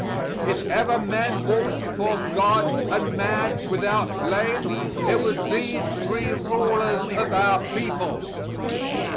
If ever men walked before God and man without blame, it was these three rulers of our people.